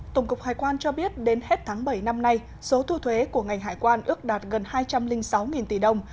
tổng cục hải quan cho biết đến hết tháng bảy năm nay số thu thuế của ngành hải quan ước đạt gần hai trăm linh sáu tỷ đồng